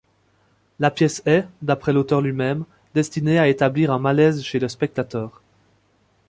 La pièce est, d’après l’auteur lui-même, destinée à établir un malaise chez le spectateur.